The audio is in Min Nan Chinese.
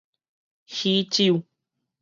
喜酒